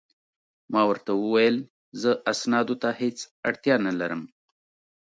ما ورته وویل: زه اسنادو ته هیڅ اړتیا نه لرم.